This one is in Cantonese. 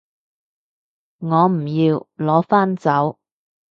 我唔要，攞返走